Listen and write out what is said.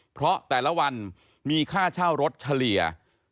เพราะแต่ละวันมีค่าเช่ารถเฉลี่ย